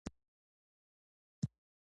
• اور لومړنۍ اړیکې ټینګې کړې.